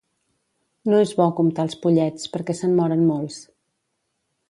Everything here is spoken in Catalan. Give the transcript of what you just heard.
No és bo comptar els pollets, perquè se'n moren molts.